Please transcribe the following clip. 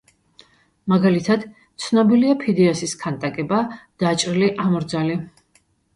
მაგალითად, ცნობილია ფიდიასის ქანდაკება „დაჭრილი ამორძალი“.